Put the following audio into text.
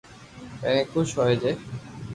پيرين خوس ھوئي جي